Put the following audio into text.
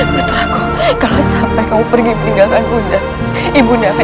putraku kalau sampai kamu pergi meninggalkan ibu undang